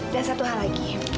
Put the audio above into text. dan satu hal lagi